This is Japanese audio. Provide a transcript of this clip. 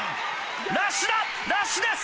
ラッシュだラッシュです！